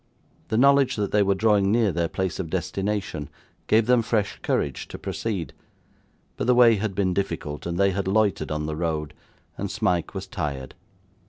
The knowledge that they were drawing near their place of destination, gave them fresh courage to proceed; but the way had been difficult, and they had loitered on the road, and Smike was tired.